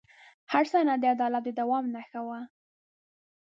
هر سند د عدالت د دوام نښه وه.